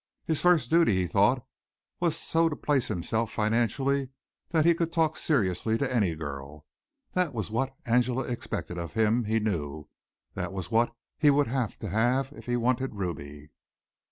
His first duty, he thought, was so to place himself financially that he could talk seriously to any girl. That was what Angela expected of him, he knew. That was what he would have to have if he wanted Ruby.